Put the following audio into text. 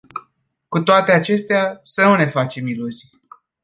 Cu toate acestea, să nu ne facem iluzii.